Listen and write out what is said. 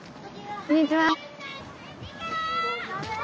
こんにちは。